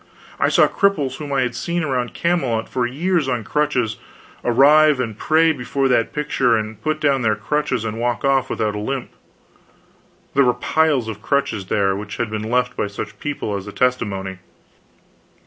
I saw cripples whom I had seen around Camelot for years on crutches, arrive and pray before that picture, and put down their crutches and walk off without a limp. There were piles of crutches there which had been left by such people as a testimony.